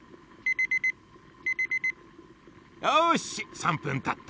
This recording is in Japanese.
よし３ぷんたった。